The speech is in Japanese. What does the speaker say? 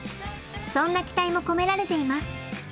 そんな期待も込められています。